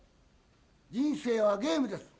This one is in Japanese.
人生はゲームです。